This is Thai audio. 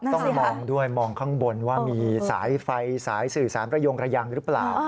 ต้องมองด้วยมองข้างบนว่ามีสายไฟสายสื่อสารประโยงระยังหรือเปล่า